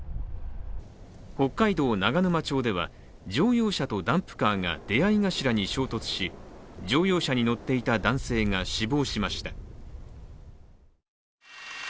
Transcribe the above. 北海道長沼町では、乗用車とダンプカーが出会い頭に衝突し乗用車に乗っていた男性が死亡しました。